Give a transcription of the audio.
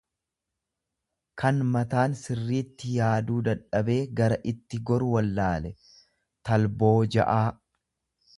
kan mataan sirriitti yaaduu dadhabee gara itti goru wallaale, talbooja'aa.